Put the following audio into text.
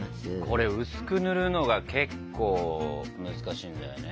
これ薄くぬるのが結構難しいんだよね。